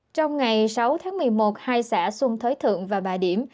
trong ngày sáu tháng một mươi một hai xã xuân thới thượng và bà điểm